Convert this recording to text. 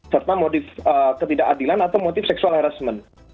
serta motif ketidakadilan atau motif seksual harassment